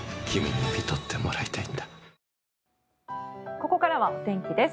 ここからはお天気です。